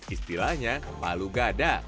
istilahnya palu gada